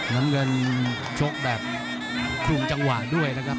น้ำเงินชกแบบช่วงจังหวะด้วยนะครับ